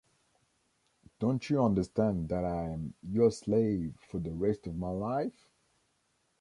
Don’t you understand that I’m your slave for the rest of my life?